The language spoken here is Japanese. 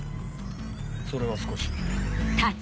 それは少し。